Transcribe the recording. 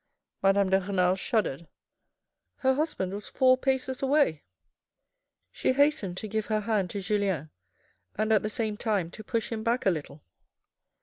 Madame de Renal shuddered. Her husband was four paces away. She hastened to give her hand to Julien, and at the same time to push him back a little.